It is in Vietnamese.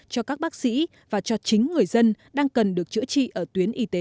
cho các bác sĩ và cho chính người dân đang cần được chữa trị ở tuyến y tế